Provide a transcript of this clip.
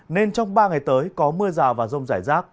nên trong ba ngày tới có mưa rào và rông rải rác